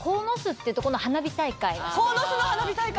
鴻巣の花火大会。